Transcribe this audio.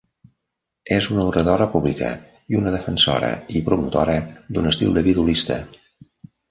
És una oradora pública i una defensora i promotora d'un estil de vida holista.